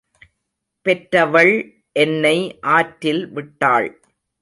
பெற்றவள் என்னை ஆற்றில் விட்டாள்.